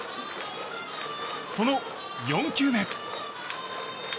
その４球目。